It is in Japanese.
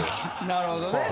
なるほどね。